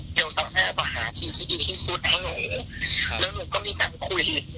เดี๋ยวสักแห่งเราจะหาชีวิตที่ดีที่สุดให้หนูแล้วหนูก็มีการคุยกับ